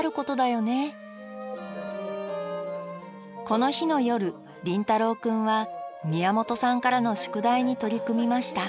この日の夜麟太郎君は宮本さんからの宿題に取り組みました。